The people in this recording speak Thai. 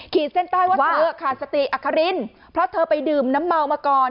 เส้นใต้ว่าเธอขาดสติอัครินเพราะเธอไปดื่มน้ำเมามาก่อน